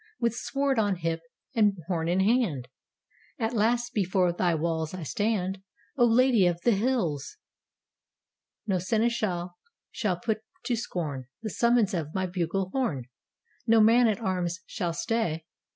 With sword on hip and horn in hand, At last before thy walls I stand, O Lady of the Hills! No seneschal shall put to scorn The summons of my bugle horn! No man at arms shall stay!